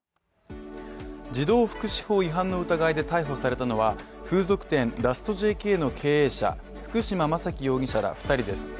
児童福祉法違反の疑いで逮捕されたのは風俗店ラストＪＫの経営者、福島真樹容疑者ら２人です。